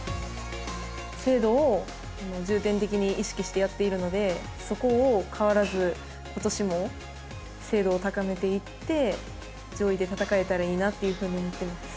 精度を重点的に意識してやっているので、そこを変わらずことしも精度を高めていって、上位で戦えたらいいなというふうに思っています。